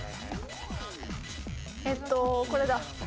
えっとこれだ。